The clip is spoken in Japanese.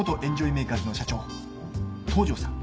メーカーズの社長東城さん。